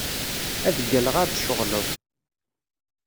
Ad d-ggalleɣ ar tceɣleḍ.